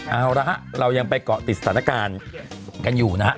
เอาละฮะเรายังไปเกาะติดสถานการณ์กันอยู่นะฮะ